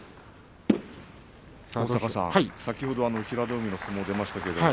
先ほど、平戸海の相撲が出ました。